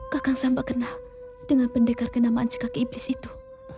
kakang samba kenal dengan pendekar kenaman si kaki iblis itu